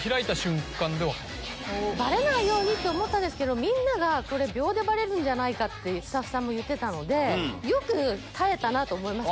バレないようにって思ったんですけど秒でバレるんじゃないかってスタッフさんも言ってたのでよく耐えたなと思います。